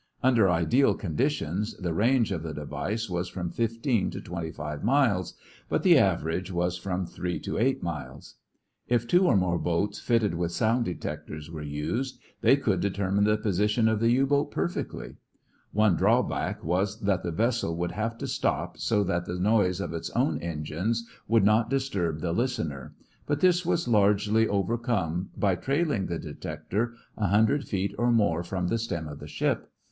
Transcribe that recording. Under ideal conditions the range of the device was from fifteen to twenty five miles, but the average was from three to eight miles. If two or more boats fitted with sound detectors were used, they could determine the position of the U boat perfectly. One drawback was that the vessel would have to stop so that the noise of its own engines would not disturb the listener, but this was largely overcome by trailing the detector a hundred feet or more from the stem of the ship.